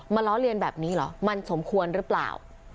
ล้อเลียนแบบนี้เหรอมันสมควรหรือเปล่า